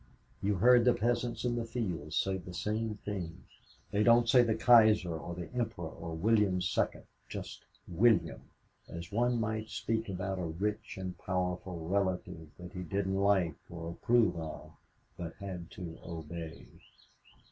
You hear the peasants in the fields say the same thing. They don't say the kaiser, or the emperor, or William II; just William as one might speak about a rich and powerful relative that he didn't like or approve of but had to obey.